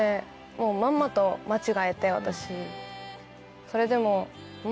もうまんまと間違えて私